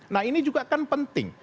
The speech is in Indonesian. nah ini juga kan penting